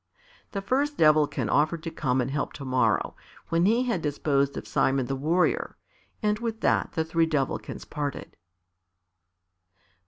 The first Devilkin offered to come and help to morrow when he had disposed of Simon the Warrior, and with that the three Devilkins parted.